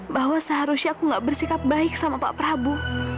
bahwa seharusnya aku gak bersikap baik sama pak prabu